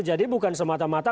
jadi bukan semata mata